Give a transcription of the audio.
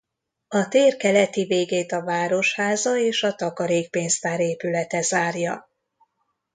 A tér keleti végét a városháza és a takarékpénztár épülete zárja.